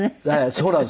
そうなんです。